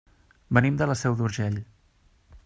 Venim de la Seu d'Urgell.